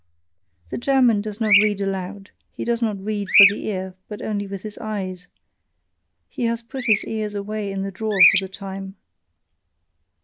The German does not read aloud, he does not read for the ear, but only with his eyes; he has put his ears away in the drawer for the time.